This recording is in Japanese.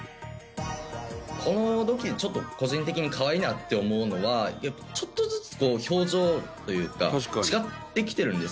この土器ちょっと個人的に可愛いなって思うのはちょっとずつこう表情というか違ってきているんですよね。